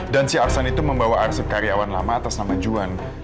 dan si aksan itu membawa arsip karyawan lama atas nama juan